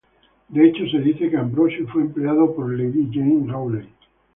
De hecho, se dice que Ambrosio fue empleado por Lady Jane Rawley.